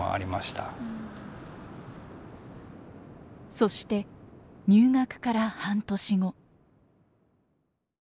そして入学から半年後。